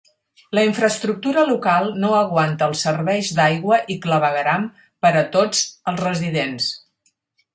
La infraestructura local no aguanta els serveis d'aigua i clavegueram per a tots els residents.